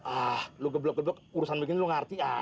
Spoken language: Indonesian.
ah lu geblok geblok urusan begini lu ngerti aja